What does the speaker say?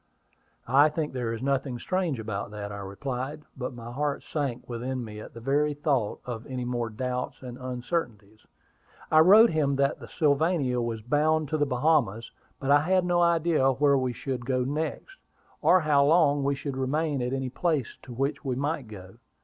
"I think there is nothing strange about that," I replied; but my heart sank within me at the very thought of any more doubts and uncertainties. "I wrote him that the Sylvania was bound to the Bahamas; but I had no idea where we should go next, or how long we should remain at any place to which we might go.